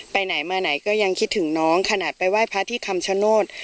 ไปไหนมาไหนก็ยังคิดถึงน้องขนาดไปไหว้พระที่คำชโนธ